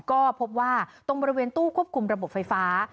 ก็พบว่าตรงบริเวณตู้ควบคุมระบบไฟฟ้า